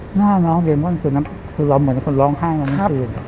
หน้าน้องเดมอนคือน้ำคือล้อมเหมือนคนร้องไห้เมื่อเมื่อคืน